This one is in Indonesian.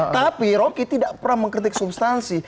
tapi rocky tidak pernah mengkritik substansi